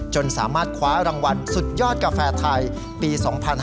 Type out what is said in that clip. จนสามารถคว้ารางวัลสุดยอดกาแฟไทยปี๒๕๕๙